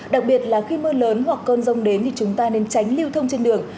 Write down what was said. đặc biệt là khi mưa lớn hoặc cơn rông đến thì chúng ta nên tránh lưu thông trên đường